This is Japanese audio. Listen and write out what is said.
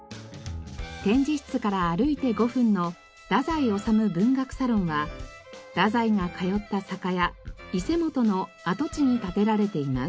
展示室から歩いて５分の太宰治文学サロンは太宰が通った酒屋伊勢元の跡地に建てられています。